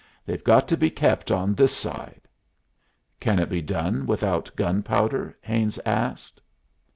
"They've got to be kept on this side." "Can it be done without gunpowder?" Haines asked.